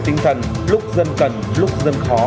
tinh thần lúc dân cần lúc dân khó